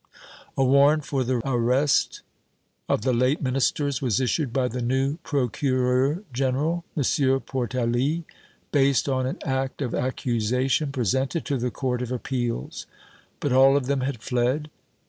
A warrant for the arrest of the late Ministers was issued by the new Procureur General, M. Portalis, based on an act of accusation presented to the Court of Appeals. But all of them had fled.